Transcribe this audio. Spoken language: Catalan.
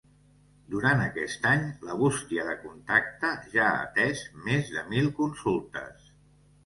Durant aquest any, la bústia de contacte ja ha atès més de mil consultes.